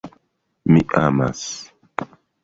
Mi amas!